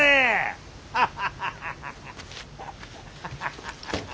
ハハハハハ！